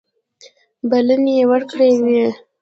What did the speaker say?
بلنې ورکړي وې.